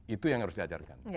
itu yang harus diajarkan